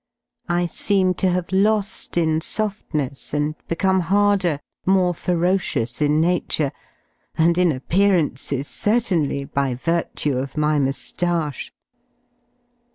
I seem to have lo^ in softness and become harder, more ferocious in nature, and in appearances certainly, by virtue of my mous^che